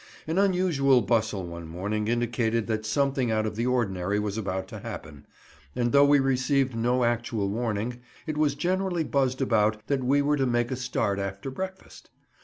An unusual bustle one morning indicated that something out of the ordinary was about to happen, and though we received no actual warning, it was generally buzzed about that we were to make a start after breakfast.